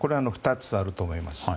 ２つあると思います。